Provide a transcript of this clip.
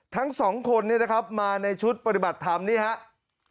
ทั้งสองคนเนี่ยนะครับมาในชุดปฏิบัติธรรมนี่ครับ